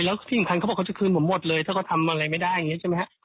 แล้วที่สำคัญเขาบอกเขาจะคืนผมหมดเลยถ้าเขาทำอะไรไม่ได้อย่างนี้ใช่ไหมฮะ